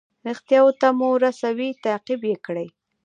ریښتیاوو ته مو رسوي تعقیب یې کړئ.